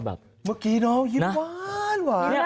เมื่อกี้น้องยิ้มหวาน